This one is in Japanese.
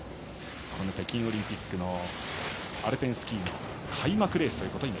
北京オリンピックのアルペンスキーの開幕レース。